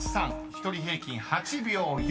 １人平均８秒４］